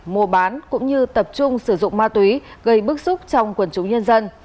mua bán cũng như tập trung sử dụng ma túy gây bức xúc trong quần chúng nhân dân